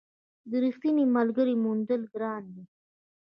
د رښتیني ملګري موندل ګران دي.